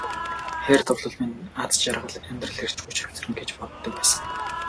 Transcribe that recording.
Хайр дурлал минь надад аз жаргал, амьдрах эрч хүч авчирна гэж боддог байсан.